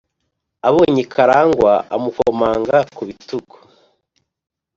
abonye Karangwa amukomanga ku bitugu.